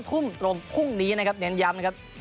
ทุ่มตรงพรุ่งนี้นะครับเน้นย้ำนะครับ